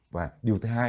và điều thứ hai